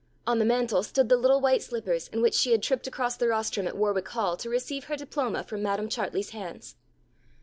On the mantel stood the little white slippers in which she had tripped across the rostrum at Warwick Hall to receive her diploma from Madam Chartley's hands.